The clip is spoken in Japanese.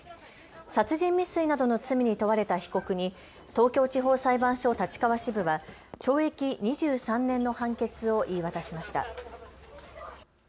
殺人未遂などの罪に問われた被告に東京地方裁判所立川支部は懲役２３年の判決を言い渡しました。